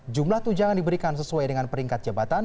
jumlah tunjangan diberikan sesuai dengan peringkat jabatan